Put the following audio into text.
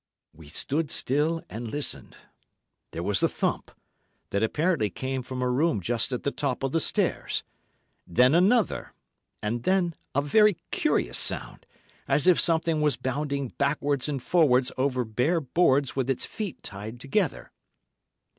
We stood still and listened. There was a thump, that apparently came from a room just at the top of the stairs—then another—and then a very curious sound, as if something was bounding backwards and forwards over bare boards with its feet tied together.